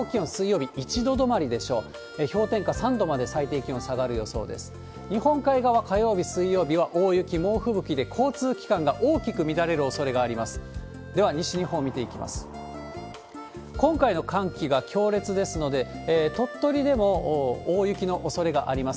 日本海側、火曜日、水曜日は大雪、猛吹雪で交通機関が大きく乱れるおそれがあります。